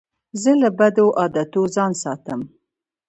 زه له بدو عادتو ځان ساتم.